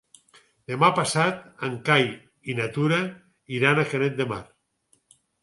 Demà passat en Cai i na Tura iran a Canet de Mar.